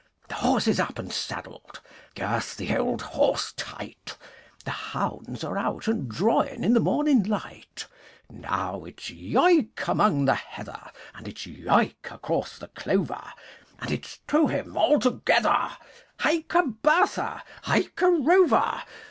The horse is up and saddled; Girth the old horse tight! The hounds are out and drawing In the morning light. Now it's 'Yoick!' among the heather, And it's 'Yoick!' across the clover, And it's 'To him, all together!' 'Hyke a Bertha! Hyke a Rover!